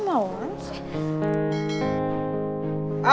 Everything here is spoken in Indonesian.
kenapa kalian diam